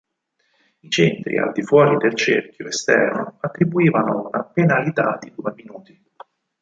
I centri al di fuori del cerchio esterno attribuivano una penalità di due minuti.